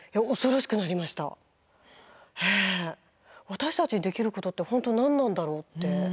私たちにできることって本当何なんだろうって。